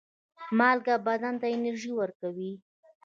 مالګه بدن ته انرژي ورکوي.